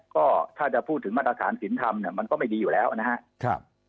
ก็ถ้าจะพูดถึงมาตรฐานสินธรรมเนี่ยมันก็ไม่ดีอยู่แล้วนะครับ